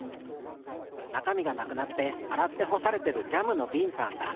なかみがなくなってあらってほされてるジャムのびんさんだ。